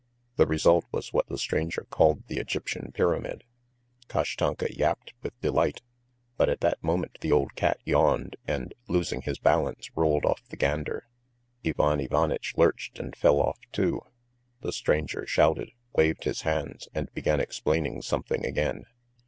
The result was what the stranger called the Egyptian pyramid. Kashtanka yapped with delight, but at that moment the old cat yawned and, losing his balance, rolled off the gander. Ivan Ivanitch lurched and fell off too. The stranger shouted, waved his hands, and began explaining something again.